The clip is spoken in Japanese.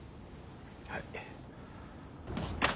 はい。